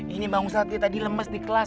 ini bangun saat dia tadi lemes di kelas